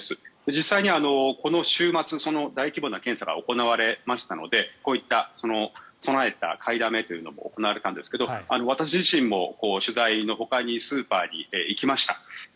実際にこの週末、大規模な検査が行われましたのでこういった備えるための買いだめというのも行われたんですが私自身も取材のほかにスーパーに行きました。